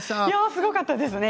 すごかったですね